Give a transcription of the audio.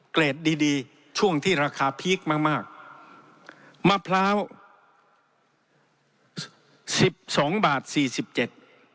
เกรดดีดีช่วงที่ราคาพีคมากมากมะพร้าวสิบสองบาทสี่สิบเจ็ด